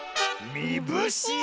みぶしあ！